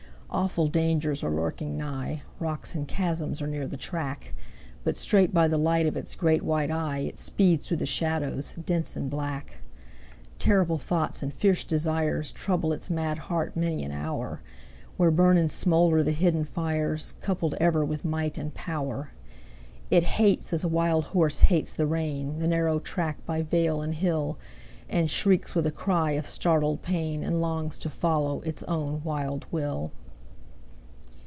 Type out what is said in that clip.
Awful dangers are lurking nigh, Rocks and chasms are near the track, But straight by the light of its great white eye It speeds through the shadows, dense and black. Terrible thoughts and fierce desires Trouble its mad heart many an hour, Where burn and smoulder the hidden fires, Coupled ever with might and power. It hates, as a wild horse hates the rein, The narrow track by vale and hill; And shrieks with a cry of startled pain, And longs to follow its own wild will.